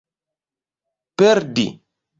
perdi